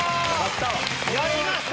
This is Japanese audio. やりました。